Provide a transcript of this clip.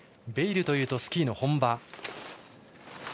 ベイルというとスキーの本場。